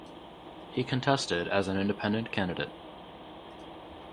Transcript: He contested as an independent candidate.